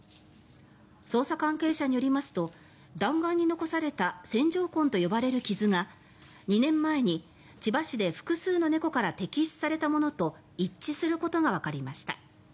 捜査関係者によりますと弾丸に残された線条痕と呼ばれる傷が２年前に千葉市で複数の猫から摘出されたものと一致することがわかりました。